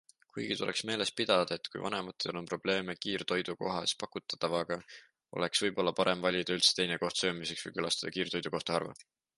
Kuigi tuleks meeles pidada, et kui vanematel on probleeme kiirtoidu kohas pakutavaga, oleks võib-olla parem valida üldse teine koht söömiseks või külastada kiirtoidukohta harva.